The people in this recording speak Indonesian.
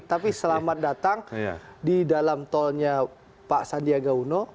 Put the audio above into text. tapi selamat datang di dalam tolnya pak sandiaga uno